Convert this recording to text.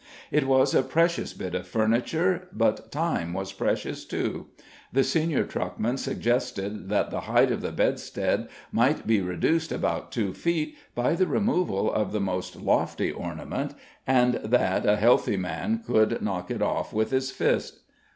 It was a precious bit of furniture, but time was precious, too. The senior truckman suggested that the height of the bedstead might be reduced about two feet by the removal of the most lofty ornament, and that a healthy man could knock it off with his fist.